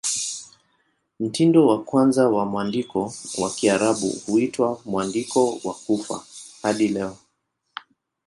Mtindo wa kwanza wa mwandiko wa Kiarabu huitwa "Mwandiko wa Kufa" hadi leo.